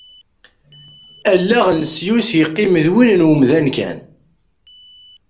Allaɣ n Lusyus yeqqim d win n wemdan kan.